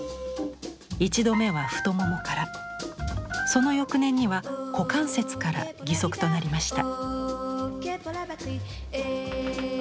一度目は太ももからその翌年には股関節から義足となりました。